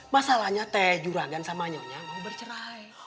masalahnya teh juranggan sama nyonya mau bercerai